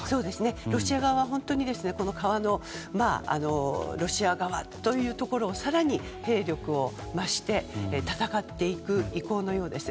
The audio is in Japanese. ロシア側は川のロシア側というところに更に兵力を増して戦っていく意向のようです。